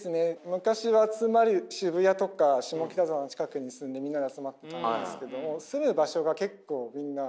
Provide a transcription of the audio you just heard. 昔は集まり渋谷とか下北沢の近くに住んでみんなで集まってたんですけども住む場所が結構みんな離れていって。